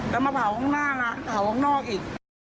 แล้วมาเผาข้างหน้าร้านเผาข้างนอกอีก